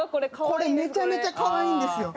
これめちゃめちゃ可愛いんですよ。